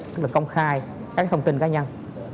tức là công khai các thông tin cá nhân